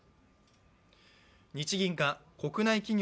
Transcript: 日銀が国内企業